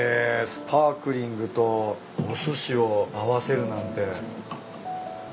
スパークリングとおすしを合わせるなんて。